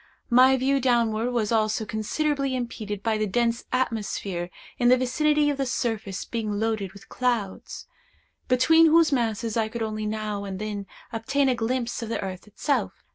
My view downward was also considerably impeded by the dense atmosphere in the vicinity of the surface being loaded with clouds, between whose masses I could only now and then obtain a glimpse of the earth itself.